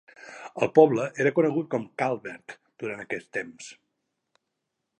El poble era conegut com Kahlberg durant aquest temps.